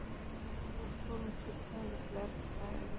د کور ټول مسوليتونه د پلار په غاړه وي.